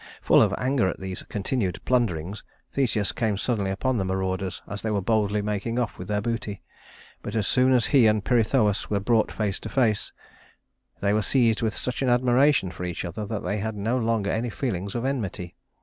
Full of anger at these continued plunderings, Theseus came suddenly upon the marauders as they were boldly making off with their booty; but as soon as he and Pirithous were brought face to face, they were seized with such an admiration for each other that they had no longer any feelings of enmity.